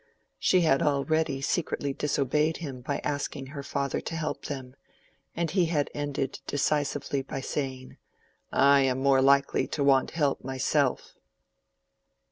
She had already secretly disobeyed him by asking her father to help them, and he had ended decisively by saying, "I am more likely to want help myself."